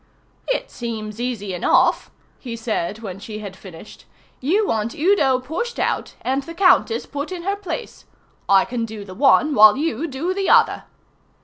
"It seems easy enough," he said when she had finished. "You want Udo pushed out and the Countess put in her place. I can do the one while you do the other."